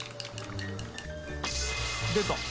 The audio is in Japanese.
出た。